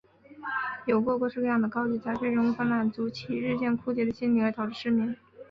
邮购各式各样的高级家具仍无法满足其日渐枯竭的心灵而导致失眠。